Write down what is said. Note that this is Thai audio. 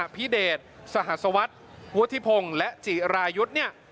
เดชสหัสวรัสวุฒิพงศ์และจิรายุทธ์เนี่ย